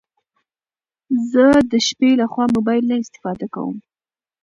زه د شپې لخوا موبايل نه استفاده کوم